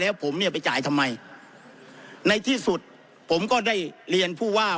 แล้วผมเนี่ยไปจ่ายทำไมในที่สุดผมก็ได้เรียนผู้ว่า